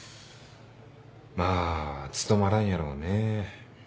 まあ務まらんやろうね。